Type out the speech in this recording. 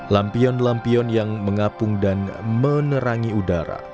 lampion lampion yang mengapung dan menerangi udara